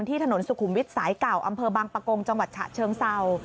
ถนนสุขุมวิทย์สายเก่าอำเภอบางปะโกงจังหวัดฉะเชิงเศร้า